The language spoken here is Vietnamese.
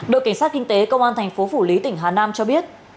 đội cảnh sát kinh tế công an thành phố phủ lý tỉnh hà nam cho biết